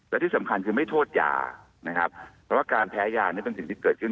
และที่สำคัญคือไม่โทษยานะครับเพราะว่าการแพ้ยานี่เป็นสิ่งที่เกิดขึ้น